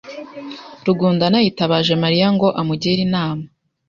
Rugundana yitabaje Mariya ngo amugire inama.